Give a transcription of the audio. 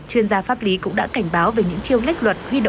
chuyên gia pháp lý cũng đã cảnh báo về những chiêu lách luật